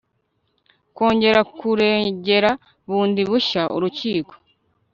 kongera kuregera bundi bushya urukiko